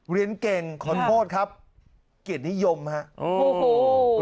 เรียนเก่งคนโพธครับเกียรตินิยมครับ